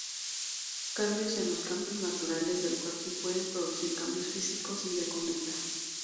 Cambios en los campos naturales del cuerpo pueden producir cambios físicos y de conducta".